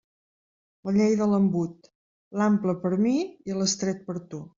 La llei de l'embut: l'ample per a mi i l'estret per a tu.